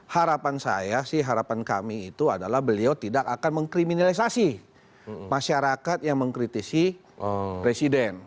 harapan saya sih harapan kami itu adalah beliau tidak akan mengkriminalisasi masyarakat yang mengkritisi presiden